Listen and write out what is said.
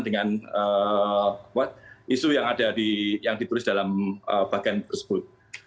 dengan isu yang ada di yang ditulis dalam bagian tersebut